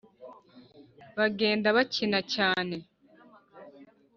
bagenda bakina.cyane